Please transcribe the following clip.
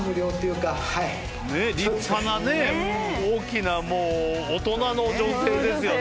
立派なね大きな大人の女性ですよね。